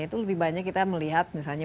itu lebih banyak kita melihat misalnya